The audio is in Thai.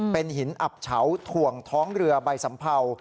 เป็นหินอับเฉาถ่วงท้องเรือใบสัมเภา